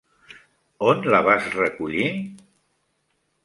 On la vas recollir?